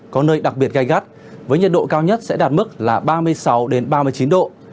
có nơi đặc biệt gai gắt với nhiệt độ cao nhất sẽ đạt mức là ba mươi sáu ba mươi chín độ